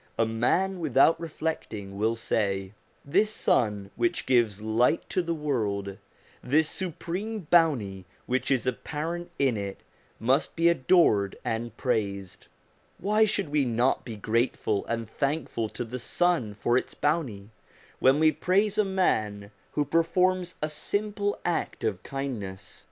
A man, without reflecting, will say : this sun which gives light to the world, this supreme bounty which is apparent in it, must be adored and praised : why should we not be grateful and thankful to the sun for its bounty, when we praise a man who performs a simple act of kindness